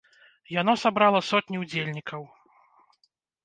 Яно сабрала сотні ўдзельнікаў.